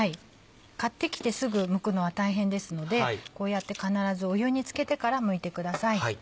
買ってきてすぐむくのは大変ですのでこうやって必ず湯につけてからむいてください。